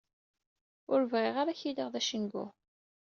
Ur bɣiɣ ara ad k-iliɣ dacengu.